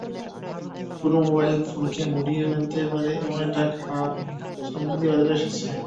পুরো মোবাইল ফোনকে মুড়িয়ে ফেলতে পারে এমন একটি খাপ সম্প্রতি বাজারে এসেছে।